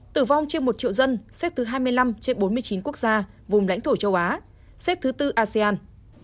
tử vong trên một triệu dân xếp thứ hai mươi năm trên bốn mươi chín quốc gia vùng lãnh thổ châu á xếp thứ tư asean